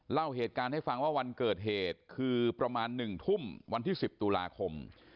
เล่าเหตุการณ์ให้ฟังว่าวันเกิดเหตุคือประมาณ๑ทุ่มวันที่๑๐ตุลาคม